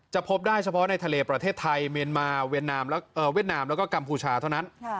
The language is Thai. พบได้เฉพาะในทะเลประเทศไทยเมียนมาเวียดนามแล้วก็กัมพูชาเท่านั้น